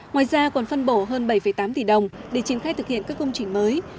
ngoài ra còn phân bổ hơn bảy tám tỷ đồng để chiến khách thực hiện các công trình mới